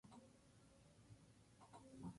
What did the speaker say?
Esto es especialmente importante en el área penal.